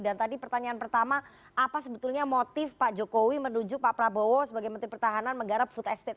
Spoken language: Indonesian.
dan tadi pertanyaan pertama apa sebetulnya motif pak jokowi menuju pak prabowo sebagai menteri pertahanan menggarap food estate